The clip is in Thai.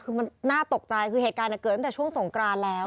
คือมันน่าตกใจคือเหตุการณ์เกิดตั้งแต่ช่วงสงกรานแล้ว